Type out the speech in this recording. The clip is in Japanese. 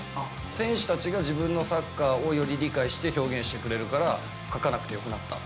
選手たちが自分のサッカーをより理解して表現してくれるから、書かなくてよくなった。